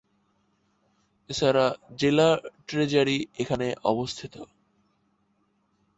এছাড়া জেলা ট্রেজারি এখানে অবস্থিত।